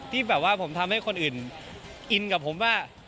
ที่แบบว่าผมทำให้คนอื่นอินกับผมว่า